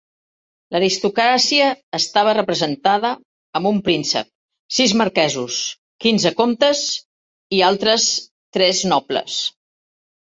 L'aristocràcia estava representada amb un príncep, sis marquesos, quinze comtes i altres tres nobles.